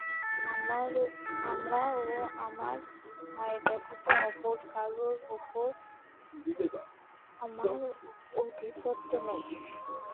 আমার ও আমার ভাই ব্যতীত অপর কারও উপর আমার আধিপত্য নেই।